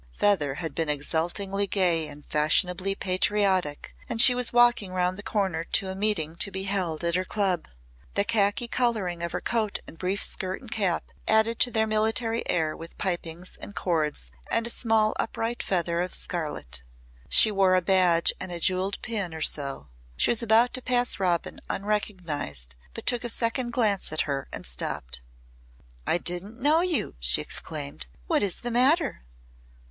Feather had been exultingly gay and fashionably patriotic and she was walking round the corner to a meeting to be held at her club. The khaki colouring of her coat and brief skirt and cap added to their military air with pipings and cords and a small upright feather of scarlet. She wore a badge and a jewelled pin or so. She was about to pass Robin unrecognised but took a second glance at her and stopped. "I didn't know you," she exclaimed. "What is the matter?"